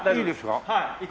はい。